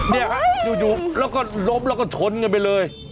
เนี่ยฮะอยู่แล้วก็ล้มแล้วก็ชนกันไปเลย